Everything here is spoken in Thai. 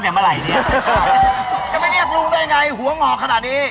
อย่าไปเรียกลุงได้ไงหัวหงอกขนาดนี้